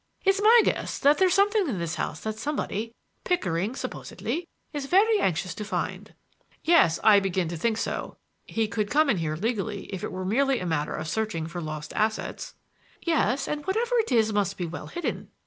It's my guess that there's something in this house that somebody—Pickering supposedly—is very anxious to find." "Yes; I begin to think so. He could come in here legally if it were merely a matter of searching for lost assets." "Yes; and whatever it is it must be well hidden.